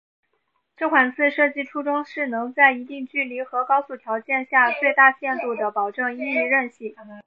这款字设计初衷是能在一定距离和高速的条件下最大限度地保证易认性。